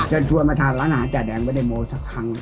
เชิญชวนมาทานร้านอาหารจ่ายแดงเวอร์เดโมสักครั้ง